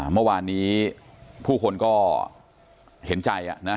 เมื่อวานนี้ผู้คนก็เห็นใจนะ